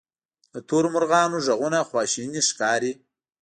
د تورو مرغانو ږغونه خواشیني ښکاري.